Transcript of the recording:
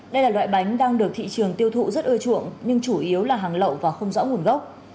đây là loại bánh đang được thị trường tiêu thụ rất ưa chuộng nhưng chủ yếu là hàng lậu và không rõ nguồn gốc